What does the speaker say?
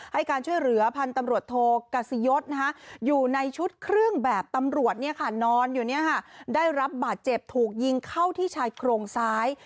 ให้การช่วยเหลือพันธุ์ตำรวจโทกัสยศอยู่ในชุดเครื่องแบบตำรวจนอนอยู่ได้รับบาดเจ็บถูกยิงเข้าที่ชายโครงซ้าย